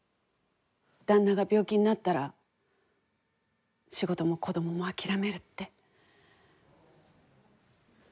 旦那が病気になったら仕事も子どもも諦めるって。